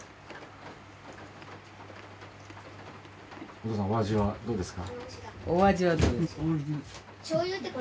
お父さんお味はどうですか？